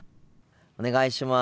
お願いします。